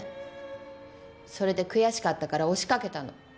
それで悔しかったから押し掛けたの。